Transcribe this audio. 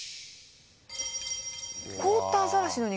凍ったアザラシの肉？